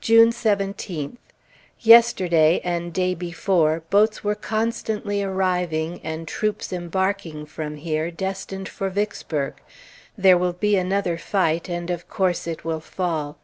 June 17th. Yesterday, and day before, boats were constantly arriving and troops embarking from here, destined for Vicksburg. There will be another fight, and of course it will fall.